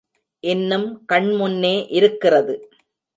இன்னும் கண் முன்னே இருக்கிறது.